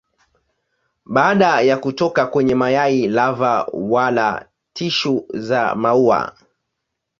Baada ya kutoka kwenye mayai lava wala tishu za maua.